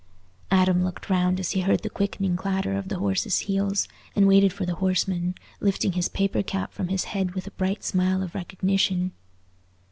Adam looked round as he heard the quickening clatter of the horse's heels, and waited for the horseman, lifting his paper cap from his head with a bright smile of recognition.